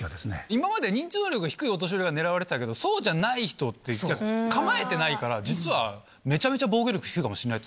今まで認知能力が低いお年寄りが狙われてたけど、そうじゃない人って、逆に構えてないから、実は、めちゃめちゃ防御率低いかもしれない。